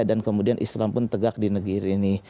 dan kemudian islam pun tegak di negeri ini